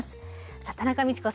さあ田中道子さん。